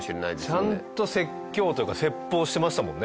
ちゃんと説教とか説法してましたもんね。